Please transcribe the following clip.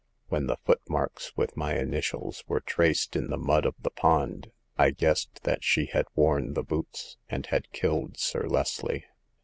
When the footmarks with my initials were traced in the mud of the pond, I guessed that she had worn the boots, and had killed Sir Leslie.